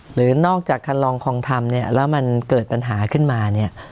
หรือนอกจากคำลองคองทำแล้วมันเกิดปัญหาขึ้นมา